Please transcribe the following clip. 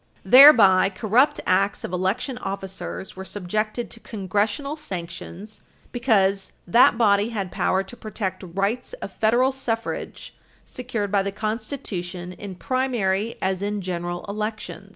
Thereby, corrupt acts of election officers were subjected to Congressional sanctions because that body had power to protect rights of Federal suffrage secured by the Constitution in primary as in general elections.